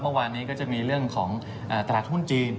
เมื่อวานยังมีเรื่องของตลาดหุ้นจีน